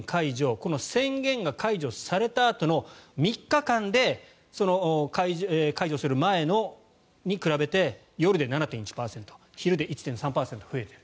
この宣言が解除されたあとの３日間で解除する前に比べて夜で７．１％昼で１．３％増えている。